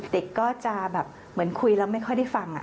เด็กก็จะแบบเหมือนคุยแล้วไม่ค่อยได้ฟัง